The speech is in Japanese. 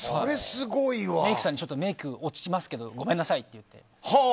メイクさんにメイク落ちますけどごめんなさいって言って。